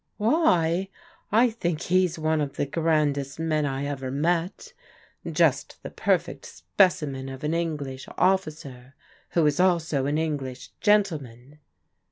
"Why? I think he's one of the grandest men I ever met. Just the perfect specimen of an English offi cer, who is also an English gentleman."